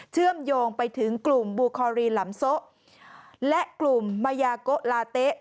เชื่อมโยงไปถึงกลุ่มบูคอรีหลำโซะและกลุ่มมายาโกะลาเต๊ะ